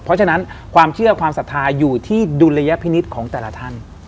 เพราะฉะนั้นความเชื่อความศรัทธาอยู่ที่ดุลยพินิษฐ์ของแต่ละท่าน